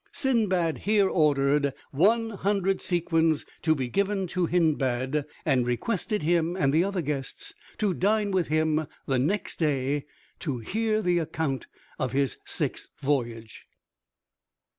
Sindbad here ordered one hundred sequins to be given to Hindbad, and requested him and the other guests to dine with him the next day, to hear the account of his sixth voyage.